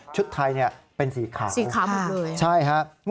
ชุดไทยเป็นสีขาวมากเลยนะครับใช่ครับสีขาว